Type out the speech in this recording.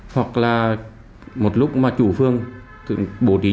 hoặc là một lúc mà chủ phường bổ trí nhiều